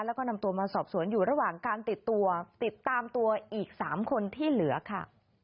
แล้วก็นำตัวมาสอบสวนอยู่ระหว่างการติดตัวติดตามตัวอีก๓คนที่เหลือค่ะ